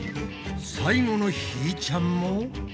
最後のひーちゃんも。